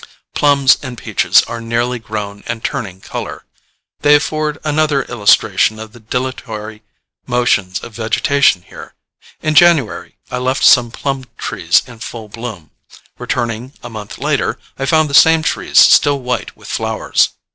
Plums and peaches are nearly grown and turning color. They afford another illustration of the dilatory motions of vegetation here. In January I left some plum trees in full bloom: returning a month later, I found the same trees still white with flowers.